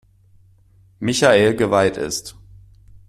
Michael geweiht ist.